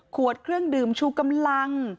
ขวดเครื่องดื่มชูกำลัง